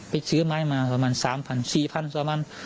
ไปซื้อไม้มาสำหรับ๓๐๐๐๔๐๐๐บาท